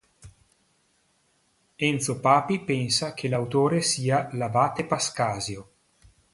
Enzo Papi pensa che l’autore sia l’abate Pascasio.